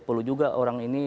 perlu juga orang ini